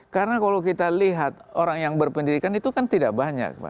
karena kalau kita lihat orang yang berpendidikan itu kan tidak banyak